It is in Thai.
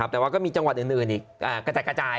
แต่ว่าก็มีจังหวัดอื่นอีกกระจัดกระจาย